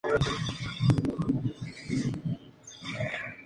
Pero en los últimos años esto ha sido desestimado.